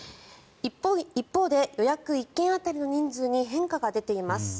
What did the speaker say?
一方で予約１件当たりの人数に変化が出ています。